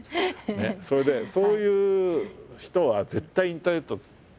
それでそういう人は絶対インターネットを握りたいと思う。